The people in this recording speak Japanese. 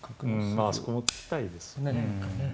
まあそこも突きたいですね。